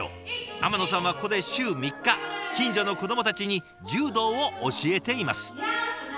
天野さんはここで週３日近所の子どもたちに柔道を教えています。